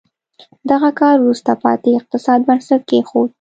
دغه کار وروسته پاتې اقتصاد بنسټ کېښود.